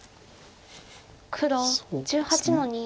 黒１８の二。